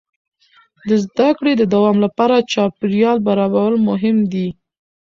د زده کړې د دوام لپاره چاپېریال برابرول مهم دي.